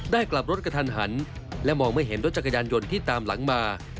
กลับรถกระทันหันและมองไม่เห็นรถจักรยานยนต์ที่ตามหลังมา